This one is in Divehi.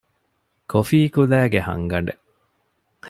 ކޮފީކުލައިގެ ހަންގަނޑެއް